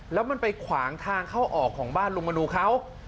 แล้วมันไปขวางทางเข้าออกของบ้านลุงมนูเขา